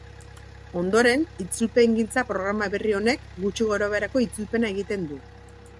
Ondoren, itzulpengintza programa berri honek, gutxi gorabeherako itzulpena egiten du.